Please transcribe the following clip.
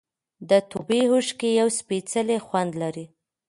د توبې اوښکې یو سپېڅلی خوند لري.